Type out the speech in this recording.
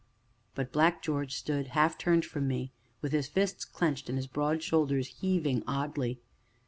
But Black George stood half turned from me, with his fists clenched and his broad shoulders heaving oddly.